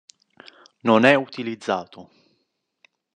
Non è utilizzato.